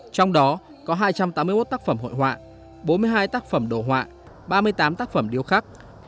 trong đó có hai trăm tám mươi một tác phẩm hội họa bốn mươi hai tác phẩm đồ họa ba mươi tám tác phẩm điêu khắc